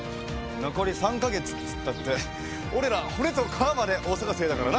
残り３カ月っつったって俺ら骨と皮まで桜咲生だからな。